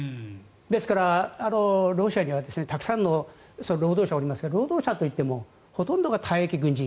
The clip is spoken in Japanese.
ですからロシアにはたくさんの労働者がおりますが労働者といってもほとんどが退役軍人。